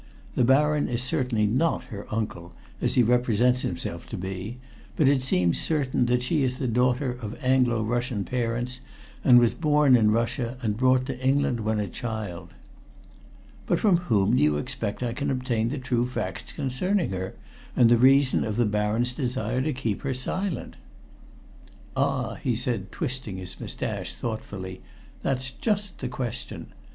The baron is certainly not her uncle, as he represents himself to be, but it seems certain that she is the daughter of Anglo Russian parents, and was born in Russia and brought to England when a child." "But from whom do you expect I can obtain the true facts concerning her, and the reason of the baron's desire to keep her silent?" "Ah!" he said, twisting his mustache thoughtfully. "That's just the question.